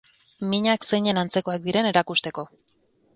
Minak zeinen antzekoak diren erakusteko.